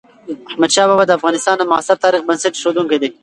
احمدشاه بابا د افغانستان د معاصر تاريخ بنسټ اېښودونکی دی.